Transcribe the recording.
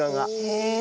へえ。